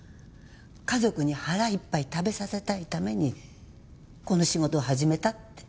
家族に腹いっぱい食べさせたいためにこの仕事を始めたって。